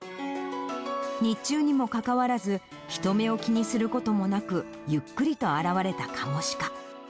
日中にもかかわらず、人目を気にすることもなく、ゆっくりと現れたカモシカ。